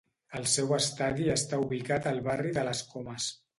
El seu estadi està ubicat al barri de Les Comes.